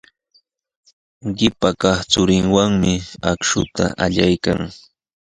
Qipa kaq churinwanmi akshuta allaykan.